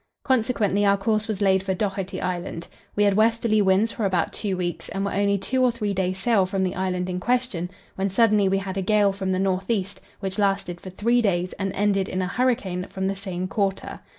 Consequently, our course was laid for Dougherty Island. We had westerly winds for about two weeks, and were only two or three days' sail from the island in question, when suddenly we had a gale from the north east, which lasted for three days, and ended in a hurricane from the same quarter.